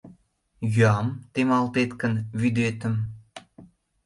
Йӱам, — темалтет гын, — вӱдетым